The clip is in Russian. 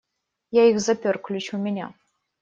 Я их запер, ключ у меня.